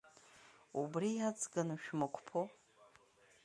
Убри иаҵганы шәмықәԥо!